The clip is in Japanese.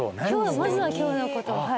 まずは今日のことをはい。